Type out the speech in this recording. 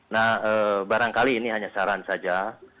nah barangkali ini hanya saran saja